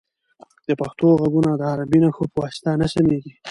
د پښتو غږونه د عربي نښو په واسطه نه سمیږي.